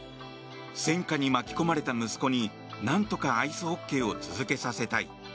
戦禍に巻き込まれた息子になんとかアイスホッケーを続けさせたい。